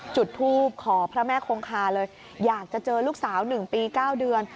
จุดทูปขอพระแม่คงคาเลยอยากจะเจอลูกสาว๑ปี๙เดือน